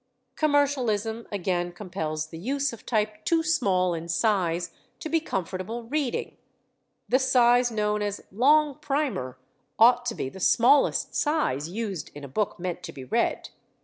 Commercialism again compels the use of type too small in size to be comfortable reading: the size known as "Long primer" ought to be the smallest size used in a book meant to be read.